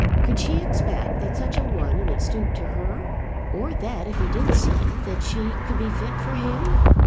Could she expect that such a one would stoop to her? or that if he did so that she could be fit for him?